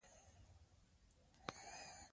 دښمنان به زموږ په لیدلو سره حیران پاتې شي.